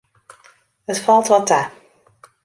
It falt wat ta.